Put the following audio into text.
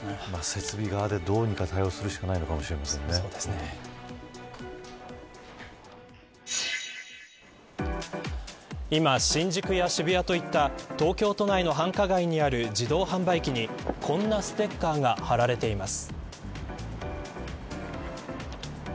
設備側で、どうにか対応するしか今、新宿や渋谷といった東京都内の繁華街にある自動販売機にこんなステッカーが貼られています。